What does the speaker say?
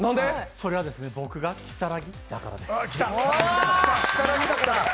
それは、僕が如月だからです。